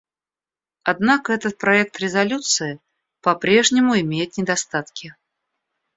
Однако этот проект резолюции по-прежнему имеет недостатки.